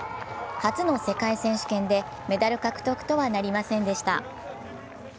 初の世界選手権でメダル獲得とはなりませんでした。